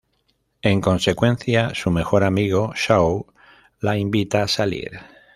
En consecuencia, su mejor amigo Shawn la invita a salir.